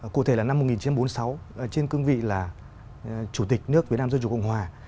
cụ thể là năm một nghìn chín trăm bốn mươi sáu trên cương vị là chủ tịch nước việt nam dân chủ cộng hòa